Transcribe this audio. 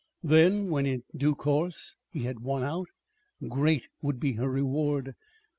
Then, when in due course he had won out, great would be her reward.